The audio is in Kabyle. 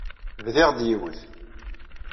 Bdiɣ-d yiwet.